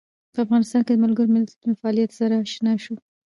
په افغانستان کې د ملګرو ملتونو له فعالیتونو سره آشنا شو.